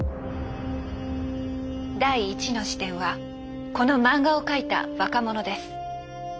第１の視点はこの漫画を描いた若者です。